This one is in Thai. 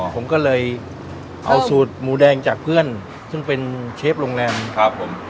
ผมก็เลยเอาสูตรหมูแดงจากเพื่อนซึ่งเป็นเชฟโรงแรมครับผม